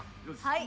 ・はい。